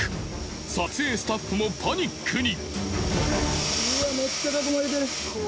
撮影スタッフもパニックに。